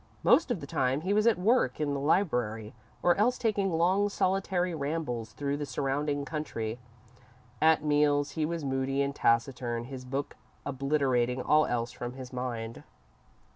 Most of the time he was at work in the library, or else taking long, solitary rambles through the surrounding country. At meals he was moody and taciturn, his book obliterating all else from his mind.